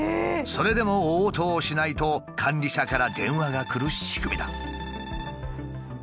それでも応答しないと管理者から電話が来る仕組みだ。